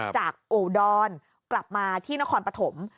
จากอูดอนกลับมาที่นครปฐม